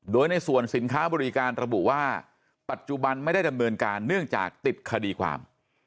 โดยในส่วนสินค้าบริการระบุว่าปัจจุบันไม่ได้ดำเนินการเนื่องจากติดคดีความ